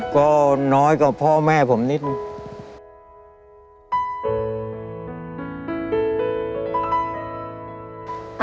ก็น้อยกว่าพ่อแม่ผมนิดนึง